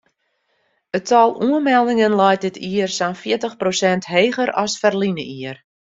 It tal oanmeldingen leit dit jier sa'n fjirtich prosint heger as ferline jier.